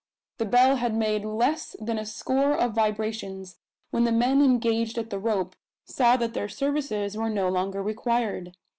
The bell had made less than a score of vibrations, when the men engaged at the rope saw that their services were no longer required.